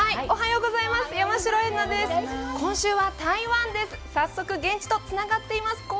おはようございます。